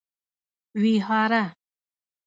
ويهاره